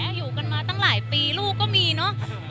อยู่กันมาตั้งหลายปีลูกก็มีเนอะ